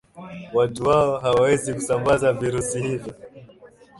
watu hao hawawezi kusambaza virusi hivyo